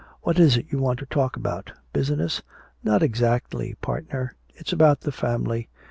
What is it you want to talk about? Business?" "Not exactly, partner. It's about the family.